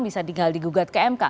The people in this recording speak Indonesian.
bisa tinggal digugat ke mk